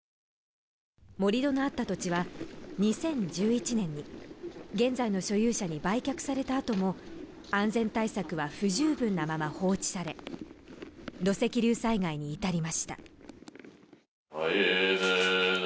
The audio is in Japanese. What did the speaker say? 盛り土のあった土地は２０１１年に現在の所有者に売却された後も安全対策は不十分なまま放置され、土石流災害に至りました。